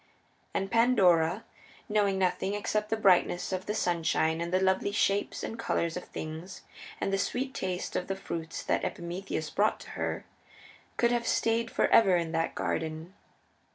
And Pandora, knowing nothing except the brightness of the sunshine and the lovely shapes and colors of things and the sweet taste of the fruits that Epimetheus brought to her, could have stayed forever in that garden.